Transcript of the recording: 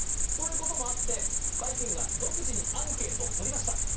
ということもあって「バイキング」が独自でアンケートをとりました。